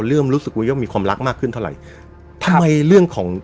เริ่มรู้สึกว่ามีความรักมากขึ้นเท่าไหร่ครับทำไมเรื่องของ